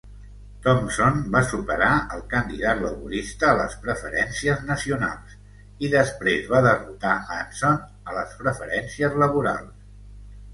Thompson va superar al candidat laborista a les preferències nacionals, i després va derrotar Hanson a les preferències laborals.